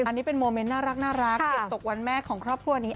อันนี้เป็นโมเมนต์น่ารักเก็บตกวันแม่ของครอบครัวนี้